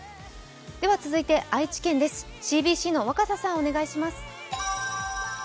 続いて、愛知県です、ＣＢＣの若狭さん、お願いします。